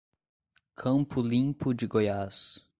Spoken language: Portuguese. Campo Limpo de Goiás